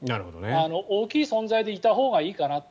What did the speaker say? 大きい存在でいたほうがいいかなと。